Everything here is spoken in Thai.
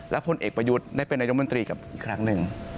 และผลเอกประยุทธ์ได้เป็นนายองมันตรีอีกครั้งหนึ่ง